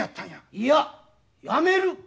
いややめる！